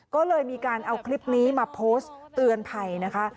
ก็เลยมีการเอาคลิปนี้มาโพสต์เตือนภัยนะคะ